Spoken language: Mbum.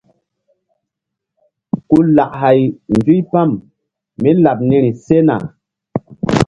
Ku lak hay nzuypam mí laɓ niri sena.